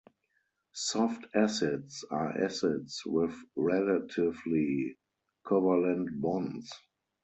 Soft acids are acids with relatively covalent bonds.